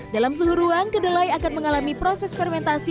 dalam suhu ruang kedelai akan mengalami proses fermentasi